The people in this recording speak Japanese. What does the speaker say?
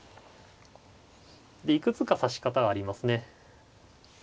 でいくつか指し方はありますね。